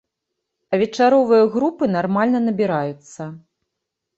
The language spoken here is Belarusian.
А вечаровыя групы нармальна набіраюцца.